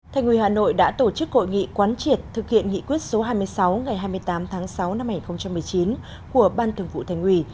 thành ủy hà nội đã tổ chức hội nghị quán triệt thực hiện nghị quyết số hai mươi sáu ngày hai mươi tám tháng sáu năm hai nghìn một mươi chín của ban thường vụ thành ủy